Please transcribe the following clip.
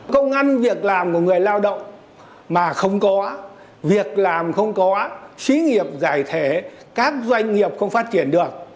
công an việc làm của người lao động mà không có việc làm không có xí nghiệp giải thể các doanh nghiệp không phát triển được